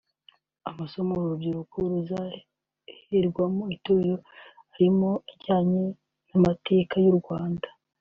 Amasomo uru rubyiruko ruzahererwa mu Itorero arimo ajyanye n’amateka y’u Rwanda